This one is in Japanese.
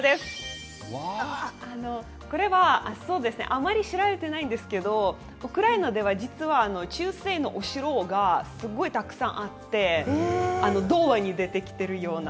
これはあまり知られていないんですけどウクライナでは実は中世のお城がすごくたくさんあって童話に出てきているような。